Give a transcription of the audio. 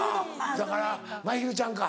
だからまひるちゃんか。